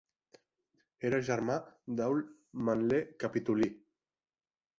Era germà d'Aule Manle Capitolí.